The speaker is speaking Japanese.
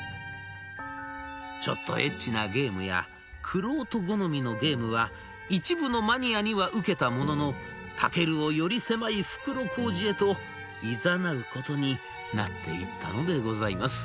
ちょっとエッチなゲームや玄人好みのゲームは一部のマニアには受けたもののＴＡＫＥＲＵをより狭い袋小路へといざなうことになっていったのでございます。